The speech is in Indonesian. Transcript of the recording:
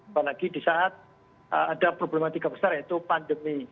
apalagi di saat ada problematika besar yaitu pandemi